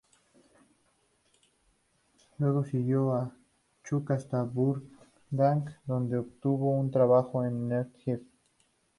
Luego siguió a Chuck hasta Burbank, donde obtuvo un trabajo en el Nerd Herd.